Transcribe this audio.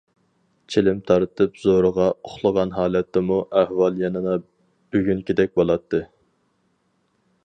چىلىم تارتىپ، زورىغا ئۇخلىغان ھالەتتىمۇ ئەھۋال يەنىلا بۈگۈنكىدەك بولاتتى.